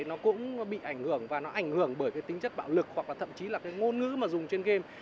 nó cũng bị ảnh hưởng và nó ảnh hưởng bởi cái tính chất bạo lực hoặc là thậm chí là cái ngôn ngữ mà dùng trên game